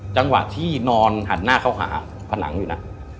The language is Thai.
จังหวะที่นอนหันหน้าเข้าหาผนังอยู่นะ